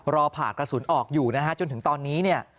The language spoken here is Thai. ผ่ากระสุนออกอยู่นะฮะจนถึงตอนนี้เนี่ย